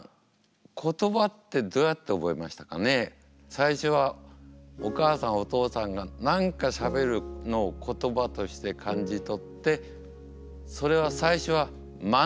最初はお母さんお父さんが何かしゃべるのを言葉として感じ取ってそれは最初はまねですよね。